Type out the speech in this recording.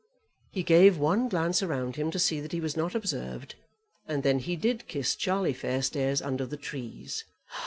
He gave one glance around him to see that he was not observed, and then he did kiss Charlie Fairstairs under the trees.